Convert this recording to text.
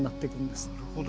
なるほど。